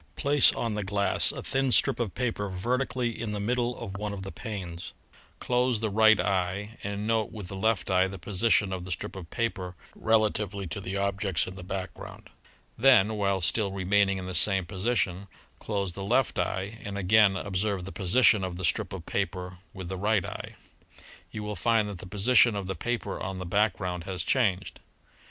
Place on the glass a thin strip of paper vertically in the middle of one of the panes. Close the right eye and note with the left eye the position of the strip of paper rela tively to the objects in the background. Then, while still remaining in the same position, close the left eye and again observe the position of the strip of paper with the right eye. You will find that the position of the paper on the background has changed.